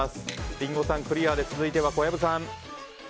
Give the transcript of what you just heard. リンゴさん、クリアで続いては小籔さん。